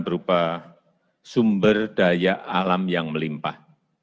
berupa sumber daya alam yang melimpah